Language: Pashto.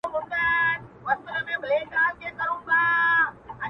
خو یو وخت څارنوال پوه په ټول داستان سو,